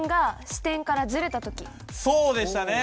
そうでしたね！